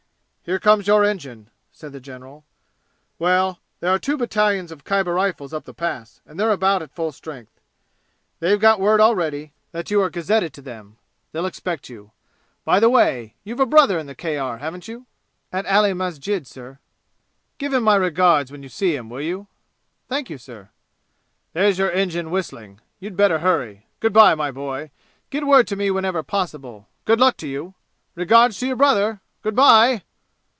"Here comes your engine," said the general. "Well there are two battalions of Khyber Rifles up the Pass and they're about at full strength. They've got word already that you are gazetted to them. They'll expect you. By the way, you've a brother in the K.R., haven't you?" "At Ali Masjid, sir." "Give him my regards when you see him, will you?" "Thank you, sir." "There's your engine whistling. You'd better hurry, Good by, my boy. Get word to me whenever possible. Good luck to you! Regards to your brother! Good by!"